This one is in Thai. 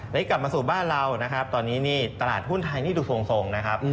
และกลับมาสู่บ้านเรานะครับตอนนี้นี่ตลาดหุ้นไทยนี่ดูทรงนะครับ